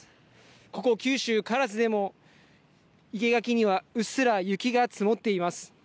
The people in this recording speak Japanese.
ここ九州唐津でも生け垣にはうっすら雪が積もっています。